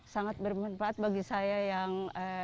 sangat bermanfaat bagi saya yang